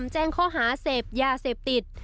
แจ้งข้อหาเสพยาเสพติด